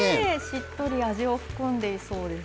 しっとり味を含んでいそうです。